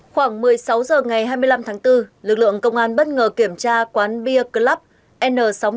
khoảng một mươi sáu h ngày hai mươi năm tháng bốn lực lượng công an bất ngờ kiểm tra quán beer club n sáu mươi tám